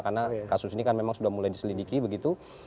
karena kasus ini kan memang sudah mulai diselidiki begitu